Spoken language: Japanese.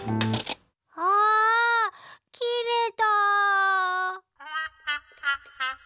あきれた。